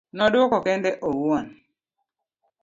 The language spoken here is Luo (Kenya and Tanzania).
nodwoko kende owuon